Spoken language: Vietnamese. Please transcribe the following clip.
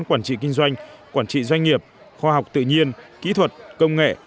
quản trị kinh doanh quản trị doanh nghiệp khoa học tự nhiên kỹ thuật công nghệ